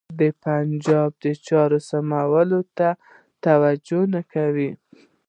د پنجاب د چارو سمبالولو ته یې توجه نه کوله.